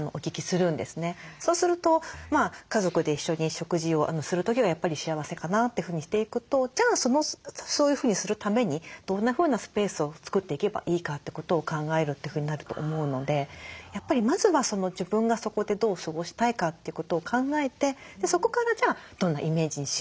そうすると家族で一緒に食事をする時がやっぱり幸せかなというふうにしていくとじゃあそういうふうにするためにどんなふうなスペースを作っていけばいいかってことを考えるというふうになると思うのでやっぱりまずは自分がそこでどう過ごしたいかってことを考えてそこからじゃあどんなイメージにしよう